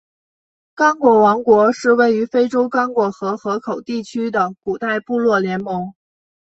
刚果王国是位于非洲刚果河河口地区的古代部落联盟。